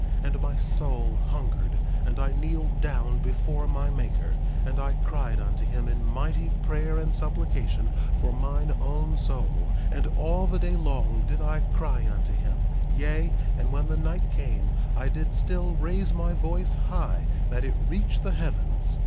1:4 And my soul hungered; and I kneeled down before my Maker, and I cried unto him in mighty prayer and supplication for mine own soul; and all the day long did I cry unto him; yea, and when the night came I did still raise my voice high that it reached the heavens.